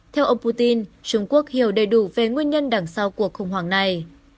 theo ông putin trung quốc hiểu đầy đủ về nguyên nhân đằng sau cuộc khủng hoảng này